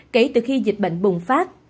kể từ khi dịch bệnh bùng phát